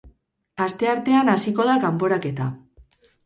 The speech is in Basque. Asteartean hasiko da kanporaketa.